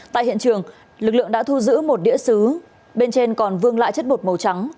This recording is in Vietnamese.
tại hiện trường lực lượng đã thu giữ một đĩa xứ bên trên còn vương lại chất bột màu trắng